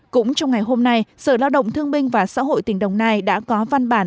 cũng trong ngày hôm nay sở lao động thương minh và xã hội tỉnh đồng nai đã có văn bản